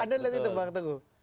anda lihat itu bang teguh